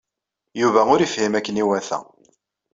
Yuba ur yefhim akken iwata.